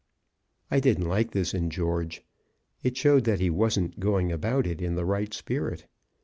I didn't like this in George. It showed that he wasn't going about it in the right spirit.